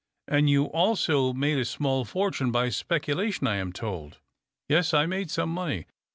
" And you also made a small fortune by speculation, I am told." " Yes, I made some money."